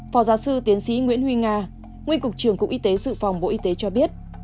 phó giáo sư tiến sĩ nguyễn huy nga nguyên cục trưởng cục y tế sự phòng bộ y tế cho biết